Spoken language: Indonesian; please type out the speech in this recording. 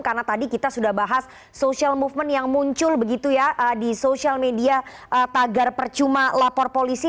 karena tadi kita sudah bahas social movement yang muncul begitu ya di social media tagar percuma lapor polisi